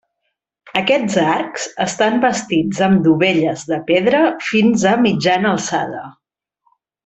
Aquests arcs estan bastits amb dovelles de pedra fins a mitjana alçada.